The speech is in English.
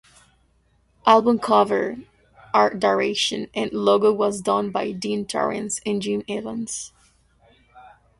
Album cover, art direction and logo was done by Dean Torrence and Jim Evans.